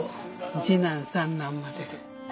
次男三男まで。